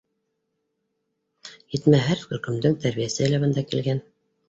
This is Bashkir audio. Етмәһә, һәр төркөмдөң тәрбиәсеһе лә бында килгән.